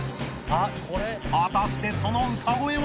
果たしてその歌声は？